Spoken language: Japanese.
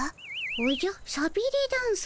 おじゃさびれダンスとな？